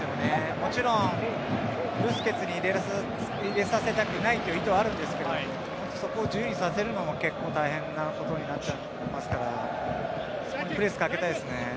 もちろんブスケツに入れさせたくないという意図はあるんですけどそこを自由にさせるのも結構大変なことになっちゃうと思いますからプレスかけたいですね。